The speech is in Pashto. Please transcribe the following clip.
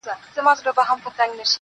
که آرام غواړې، د ژوند احترام وکړه~